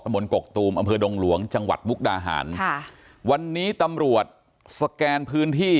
บนกกตูมอำเภอดงหลวงจังหวัดมุกดาหารค่ะวันนี้ตำรวจสแกนพื้นที่